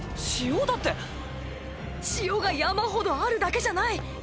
塩だって⁉塩が山ほどあるだけじゃない。